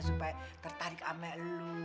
supaya tertarik sama lo